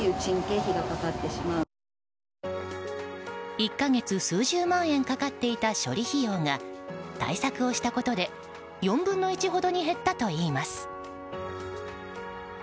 １か月、数十万円かかっていた処理費用が対策をしたことで４分の１ほどに減ったといいます。